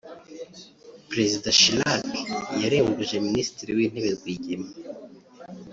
Perezida Chirac yarembuje Ministiri w’Intebe Rwigema